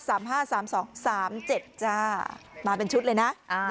สามสองสามเจ็ดจ้ามาเป็นชุดเลยนะอ่า